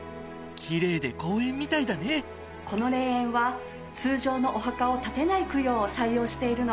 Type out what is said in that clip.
この霊園は通常のお墓を建てない供養を採用しているの。